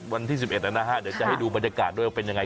วันที่๑๑นะฮะเดี๋ยวจะให้ดูบรรยากาศด้วยว่าเป็นยังไง